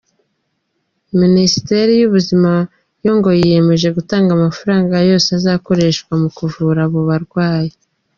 Minisiteri y’Ubuzima yo ngo yiyemeje gutanga amafaranga yose azakoreshwa mu kuvura aba barwayi.